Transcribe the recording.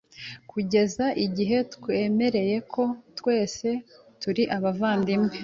Kugeza igihe twemeye ko twese turi abavandimwe